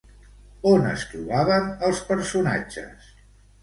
On es trobaven els personatges?